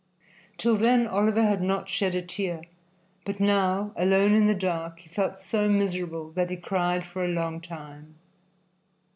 Till then Oliver had not shed a tear, but now, alone in the dark, he felt so miserable that he cried for a long time.